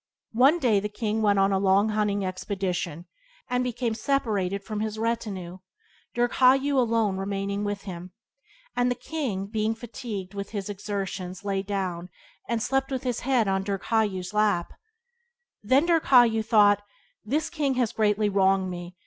Byways to Blessedness by James Allen 38 One day the king went on a long hunting expedition, and became separated from his retinue, Dirghayu alone remaining with him. And the king, being fatigued with his exertions, lay down, and slept with his head in Dirghayu's lap. Then Dirghayu thought: This king has greatly wronged me.